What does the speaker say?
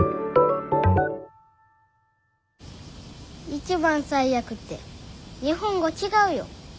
一番最悪って日本語違うよ。